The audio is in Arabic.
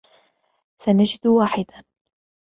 سنجد واحدا.